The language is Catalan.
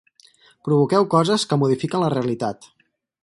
Provoqueu coses que modifiquen la realitat.